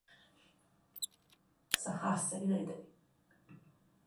實嚇死你哋